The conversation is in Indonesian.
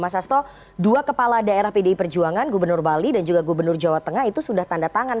mas asto dua kepala daerah pdi perjuangan gubernur bali dan juga gubernur jawa tengah itu sudah tanda tangan